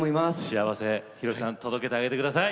幸せ宏さん届けてあげて下さい！